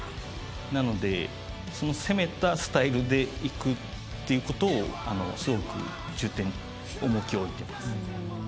なので攻めたスタイルでいくっていうことをすごく重きを置いてます。